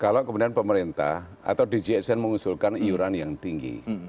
kalau kemudian pemerintah atau djsn mengusulkan iuran yang tinggi